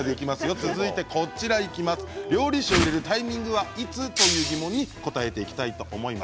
続いて料理酒を入れるタイミングはいつ？という疑問に答えていきたいと思います。